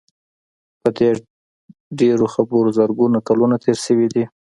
په دې ډېرو خبرو زرګونه کلونه تېر شوي دي.